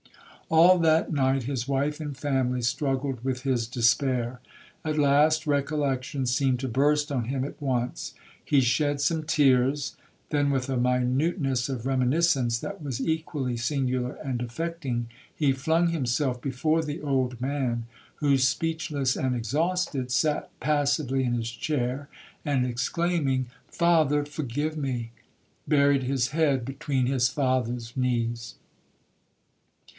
'All that night his wife and family struggled with his despair. At last recollection seemed to burst on him at once. He shed some tears;—then, with a minuteness of reminiscence that was equally singular and affecting, he flung himself before the old man, who, speechless and exhausted, sat passively in his chair, and exclaiming, 'Father, forgive me!' buried his head between his father's knees.